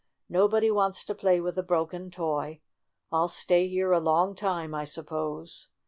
"Nobody wants to play with a broken toy. I'll stay here a long time, I suppose.